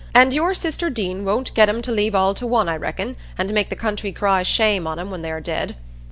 And your sister Deane won't get 'em to leave all to one, I reckon, and make the country cry shame on 'em when they are dead?"